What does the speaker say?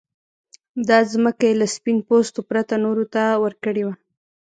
دا ځمکه يې له سپين پوستو پرته نورو ته ورکړې وه.